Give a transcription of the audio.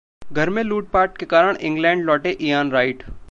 घर में लूटपाट के कारण इंग्लैंड लौटे इयान राइट